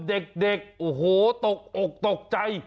เด็กโอ้โหตกอกตกใจ